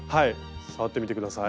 触ってみて下さい。